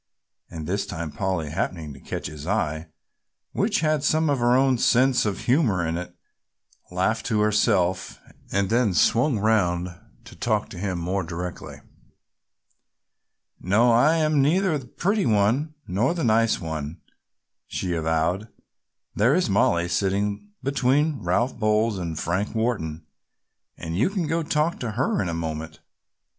And this time Polly happening to catch his eye, which had some of her own sense of humor in it, laughed to herself and then swung round to talk to him more directly. "No, I am neither the pretty one nor the nice one," she avowed. "There is Mollie sitting between Ralph Bowles and Frank Wharton and you can go talk to her in a moment.